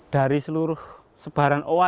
dari seluruh sebaran owa